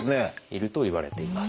いるといわれています。